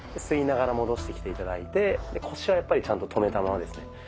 吸いながら戻してきて頂いて腰はやっぱりちゃんと止めたままですね。